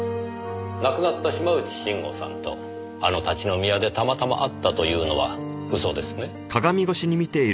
亡くなった島内慎吾さんとあの立ち飲み屋でたまたま会ったというのは嘘ですね。